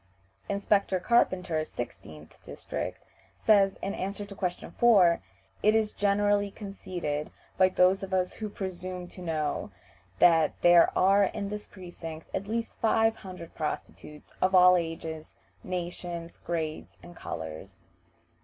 Inspector Carpenter, 16th district, says, in answer to question 4, "It is generally conceded by those of us who presume to know that there are in this precinct at least five hundred prostitutes, of all ages, nations, grades, and colors."